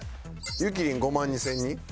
ゆきりん５万２０００人？